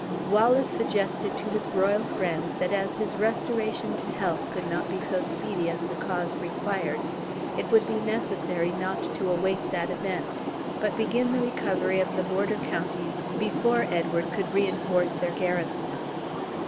Wallace suggested to his royal friend, that as his restoration to health could not be so speedy as the cause required, it would be necessary not to await that event, but begin the recovery of the border counties before Edward could reinforce their garrisons.